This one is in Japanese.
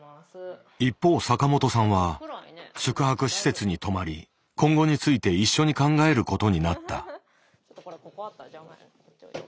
一方坂本さんは宿泊施設に泊まり今後について一緒に考えることになった。